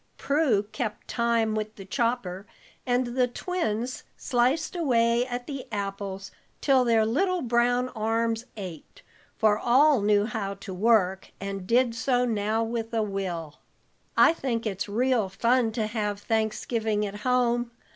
Prue kept time with the chopper, and the twins sliced away at the apples till their little brown arms ached, for all knew how to work, and did so now with a will. "I think it's real fun to have Thanksgiving at home.